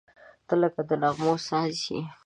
• ته لکه د نغمو ساز یې.